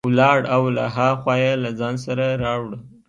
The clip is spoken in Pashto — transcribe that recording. ولاړ او له ها خوا یې له ځان سره راوړل.